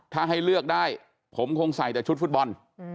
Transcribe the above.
ถ้าให้เลือกได้ผมคงใส่แต่ชุดฟุตบอล